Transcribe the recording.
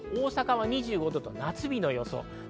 大阪は２５度と夏日の予想。